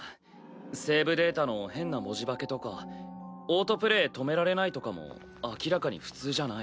セーブデータの変な文字化けとかオートプレイ止められないとかも明らかに普通じゃない。